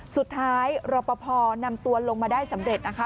สุดท้ายรปภนำตัวลงมาได้สำเร็จนะคะ